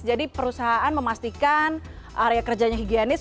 jadi perusahaan memastikan area kerjanya higienis